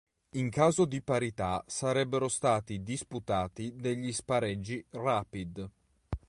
In caso di parità sarebbero stati disputati degli spareggi "rapid".